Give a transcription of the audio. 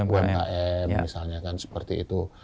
umkm misalnya kan seperti itu